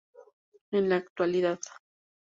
En la Actualidad.